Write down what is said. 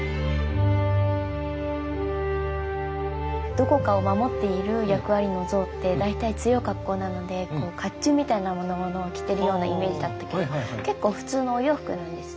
どこかを守っている役割の像って大体強い格好なのでかっちゅうみたいなものを着てるようなイメージだったけど結構普通のお洋服なんですね。